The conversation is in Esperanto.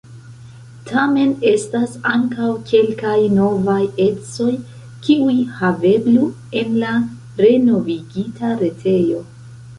Tamen estas ankaŭ kelkaj novaj ecoj, kiuj haveblu en la renovigita retejo.